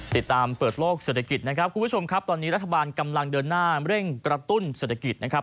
ติดตามเปิดโลกเศรษฐกิจนะครับคุณผู้ชมครับตอนนี้รัฐบาลกำลังเดินหน้าเร่งกระตุ้นเศรษฐกิจนะครับ